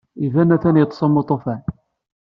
Yuba atan yeṭṭes am uṭufan.